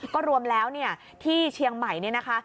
ก็รวมแล้วที่เชียงใหม่เนี่ยนะคะ